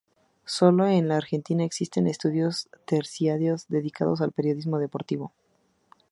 Solo en la Argentina existen estudios terciarios dedicados al Periodismo deportivo.